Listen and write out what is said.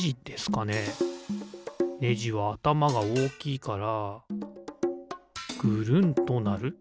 ネジはあたまがおおきいからぐるんとなる。